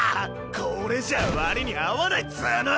これじゃあ割に合わないっつぅの！